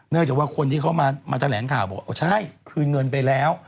ไม่จากคนที่เค้ามาแถลงข่าวบอกโอ๊ยใช่คืนเงินไปแล้ว